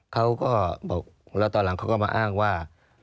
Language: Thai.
เขาก็บอกแล้วตอนหลังเขาก็มาอ้างว่า